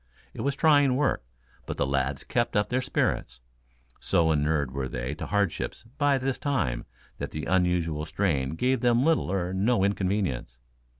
It was trying work, but the lads kept up their spirits. So inured were they to hardships, by this time, that the unusual strain gave them little or no inconvenience.